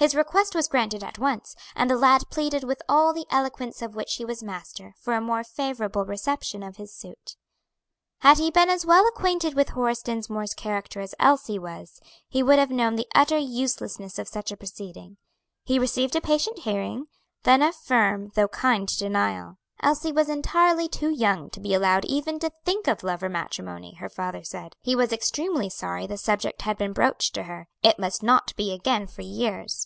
His request was granted at once, and the lad pleaded with all the eloquence of which he was master for a more favorable reception of his suit. Had he been as well acquainted with Horace Dinsmore's character as Elsie was, he would have known the utter uselessness of such a proceeding. He received a patient hearing, then a firm, though kind denial. Elsie was entirely too young to be allowed even to think of love or matrimony, her father said; he was extremely sorry the subject had been broached to her; it must not be again for years.